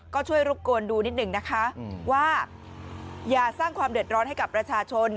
ก็ช่วยรบกวนดูนิดหนึ่งนะคะว่าอย่าสร้างความเดือดร้อนให้กับประชาชน